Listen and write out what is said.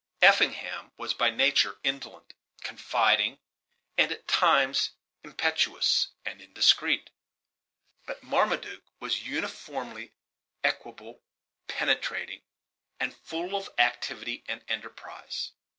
Effingham was by nature indolent, confiding, and at times impetuous and indiscreet; but Marmaduke was uniformly equable, penetrating, and full of activity and enterprise.